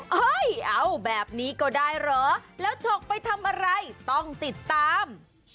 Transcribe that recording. เฮ้ยเอาแบบนี้ก็ได้เหรอแล้วฉกไปทำอะไรต้องติดตาม